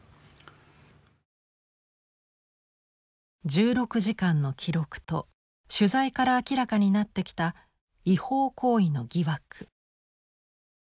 １６時間の記録と取材から明らかになってきた違法行為の疑惑。